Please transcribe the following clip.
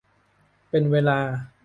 เป็นเวลา